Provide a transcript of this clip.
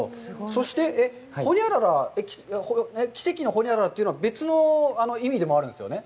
そして、ホニャララ、奇跡のホニャララというのは、別の意味でもあるんですよね？